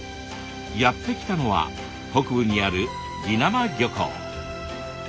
やって来たのは北部にある宜名真漁港。